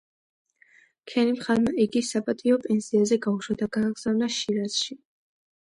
ქერიმ-ხანმა იგი საპატიო პენსიაზე გაუშვა და გააგზავნა შირაზში.